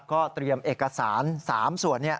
ก็เตรียมเอกสารสามส่วนนี่